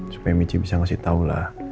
supaya michi bisa kasih tahu lah